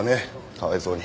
かわいそうに。